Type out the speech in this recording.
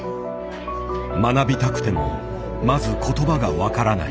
学びたくてもまず言葉が分からない。